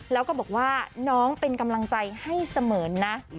แล้วก็บอกว่าน้องเป็นกำลังใจให้เสมอนะ